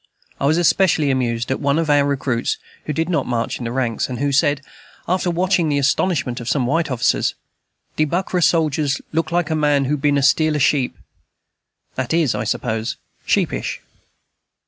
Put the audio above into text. I was especially amused at one of our recruits, who did not march in the ranks, and who said, after watching the astonishment of some white soldiers, "De buckra sojers look like a man who been a steal a sheep," that is, I suppose, sheepish.